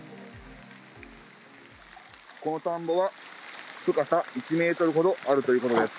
この田んぼは、深さ１メートルほどあるということです。